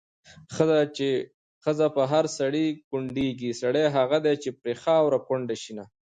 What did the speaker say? ښځه په هر سړي کونډيږي، سړی هغه دی چې پرې خاوره کونډه شينه